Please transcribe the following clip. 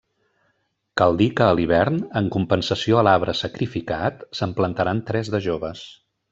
Cal dir que a l’hivern, en compensació a l’arbre sacrificat, se’n plantaran tres de joves.